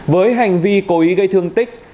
với hành vi cố ý gây thương tích